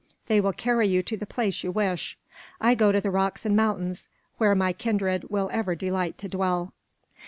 They will carry you to the place you wish. I go to the rocks and mountains, where my kindred will ever delight to dwell."